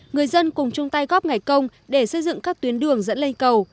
người dân cùng chung tay góp ngày công để xây dựng các tuyến đường dẫn lên cầu